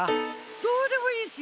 どうでもいいし！